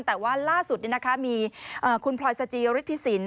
แต่ว่าล่าสุดนี้นะคะมีคุณพลอยสจิยฤทธิศิลป์